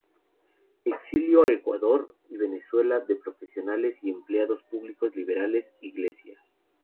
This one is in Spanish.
Exilio a Ecuador y Venezuela de profesionales y empleados públicos liberales, iglesia.